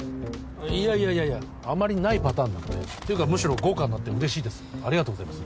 いやいやいやいやあまりないパターンなのでていうかむしろ豪華になって嬉しいですありがとうございます